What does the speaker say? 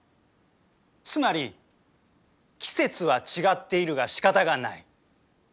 つまり「季節は違っているがしかたがない」。